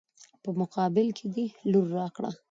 په مقابل کې د لور راکړه.